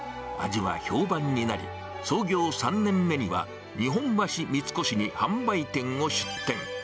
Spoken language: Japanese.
味は評判になり、創業３年目には、日本橋三越に販売店を出店。